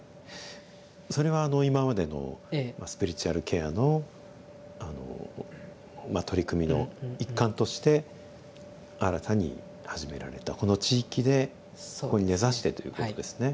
それは今までのスピリチュアルケアの取り組みの一環として新たに始められたこの地域でここに根ざしてということですね。